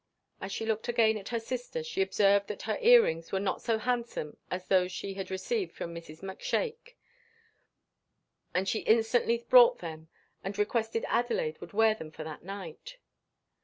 As she looked again at her sister she observed that her earrings were not so handsome as those she had received from Mrs. Macshake; and she instantly brought them, and requested Adelaide would wear them for that night.